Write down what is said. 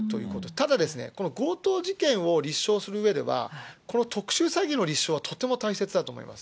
ただですね、この強盗事件を立証するうえでは、この特殊詐欺の立証はとても大切だと思います。